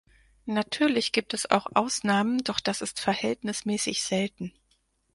Natürlich gibt es auch Ausnahmen, doch das ist verhältnismäßig selten.